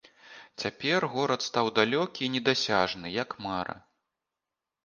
Цяпер горад стаў далёкі і недасяжны, як мара.